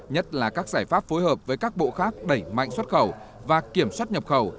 nhất là các giải pháp phối hợp với các bộ khác đẩy mạnh xuất khẩu và kiểm soát nhập khẩu